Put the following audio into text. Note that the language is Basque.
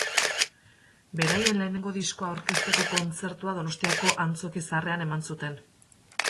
Beraien lehenengo diskoa aurkezteko kontzertua Donostiako Antzoki Zaharrean eman zuten.